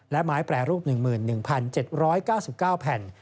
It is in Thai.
และไม้แปรรูป๑๑๗๙๙แผ่น